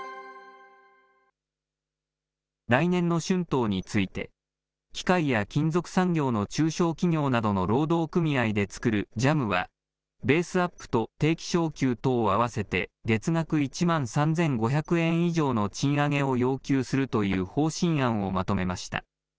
来年の春闘について、機械や金属産業の中小企業などの労働組合で作るＪＡＭは、ベースアップと定期昇給とを合わせて月額１万３５００円以上の賃上げを要求するという方針案をまとめました。